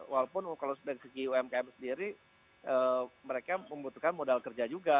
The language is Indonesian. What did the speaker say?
walaupun kalau dari segi umkm sendiri mereka membutuhkan modal kerja juga